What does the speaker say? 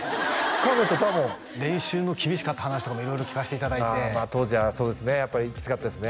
亀と多聞練習の厳しかった話とかも色々聞かせていただいてまあ当時はそうですねやっぱりきつかったですね